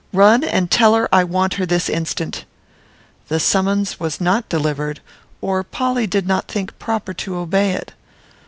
Run, and tell her I want her this instant." The summons was not delivered, or Polly did not think proper to obey it.